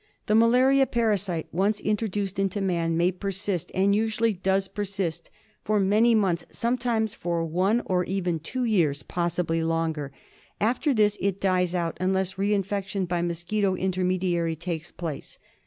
The malaria parasite once introduced into man may persist, and usually does persist, for many months, some times for one or even two years, possibly longer. After this it dies out unless re infection by mosquito intermedi ary takes place.